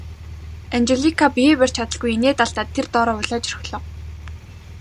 Анжелика биеэ барьж чадалгүй инээд алдаад тэр дороо улайж орхилоо.